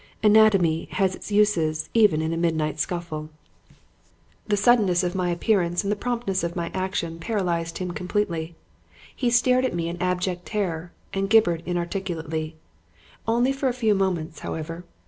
"Anatomy has its uses even in a midnight scuffle. "The suddenness of my appearance and the promptness of my action paralyzed him completely. He stared at me in abject terror and gibbered inarticulately. Only for a few moments, however.